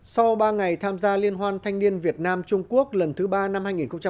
sau ba ngày tham gia liên hoan thanh niên việt nam trung quốc lần thứ ba năm hai nghìn hai mươi